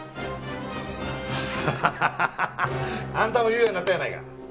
ハハハハハあんたも言うようになったやないか。